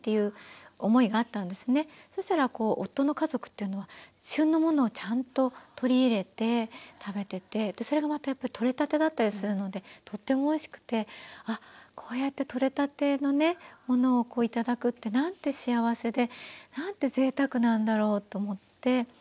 そしたら夫の家族っていうのは旬のものをちゃんと取り入れて食べててそれがまたやっぱり取れたてだったりするのでとってもおいしくてあこうやって取れたてのものを頂くってなんて幸せでなんてぜいたくなんだろうと思って。